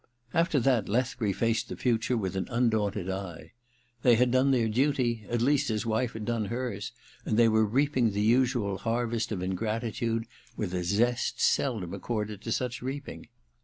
After that, Lethbury faced the future with an undaunted eye. They had done their duty — at least his wife had done hers — and they were reaping the usual harvest of ingratitude 192 THE MISSION OF JANE vi with a zest seldom accorded to such reaping.